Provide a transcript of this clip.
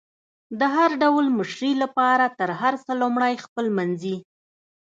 د هر ډول مشري لپاره تر هر څه لمړی خپلمنځي